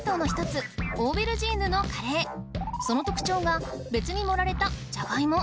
その特徴が別に盛られたジャガイモ！